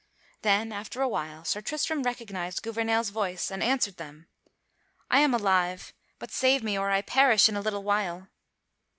Then after a while Sir Tristram recognized Gouvernail's voice and answered them: "I am alive; but save me, or I perish in a little while."